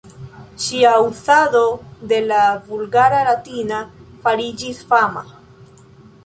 Ŝia uzado de la Vulgara Latina fariĝis fama.